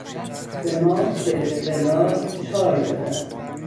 به ما به اصطلاح چای دادند.